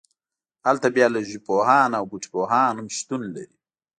هلته بیالوژی پوهان او بوټي پوهان هم شتون لري